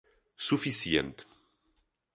Suficiente